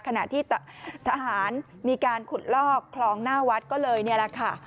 ขณะที่ทหารมีการขุดลอกคลองหน้าวัดก็เลยนี่แหละค่ะ